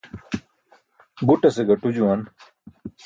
Guṭase gaṭu juwan